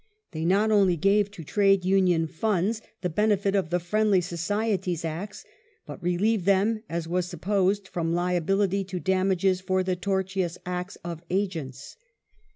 They not Union ^jjiy goyc to Trade Union funds 'the benefit of the Friendly tion, 1871 Societies Acts, but relieved them, as was supposed, from liability ^^^^ to damages for the tortious acts of agents.